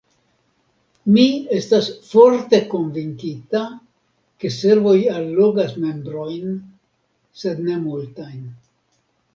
Mi estas forte konvinkita, ke servoj allogas membrojn, sed ne multajn.